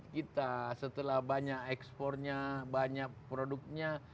kita setelah banyak ekspornya banyak produknya